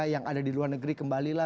yang ada di luar negeri kembalilah